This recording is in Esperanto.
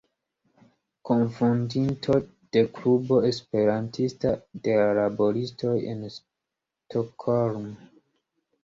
Kunfondinto de Klubo Esperantista de la laboristoj en Stockholm.